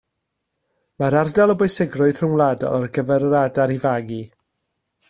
Mae'r ardal o bwysigrwydd rhyngwladol ar gyfer yr adar i fagu